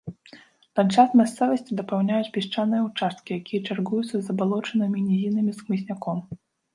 Ландшафт мясцовасці дапаўняюць пясчаныя ўчасткі, якія чаргуюцца з забалочанымі нізінамі з хмызняком.